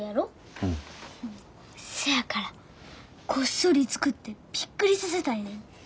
せやからこっそり作ってびっくりさせたいねん。